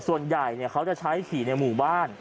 ส่วนใหญ่เขาจะใช้ขี่ในหมู่บ้าน